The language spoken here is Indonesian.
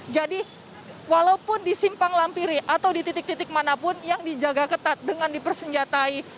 jadi walaupun disimpang lampiri atau di titik titik manapun yang dijaga ketat dengan dipersenjatai